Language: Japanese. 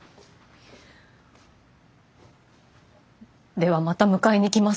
ではまた迎えに来ます。